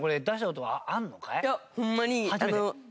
いやホンマに。